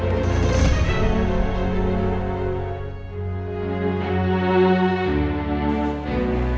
karena lo ngerasa gue bermain